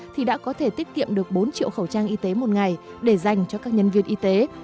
thì đã có thể tiết kiệm được bốn triệu khẩu trang y tế một ngày để dành cho các nhân viên y tế